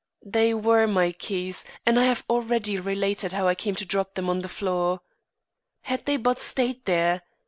They were my keys, and I have already related how I came to drop them on the floor. Had they but stayed there!